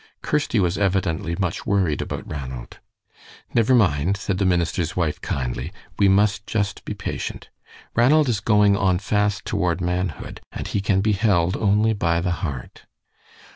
Kirsty was evidently much worried about Ranald. "Never mind," said the minister's wife, kindly; "we must just be patient. Ranald is going on fast toward manhood, and he can be held only by the heart."